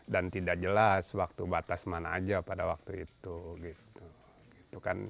dan tidak jelas waktu batas mana aja pada waktu itu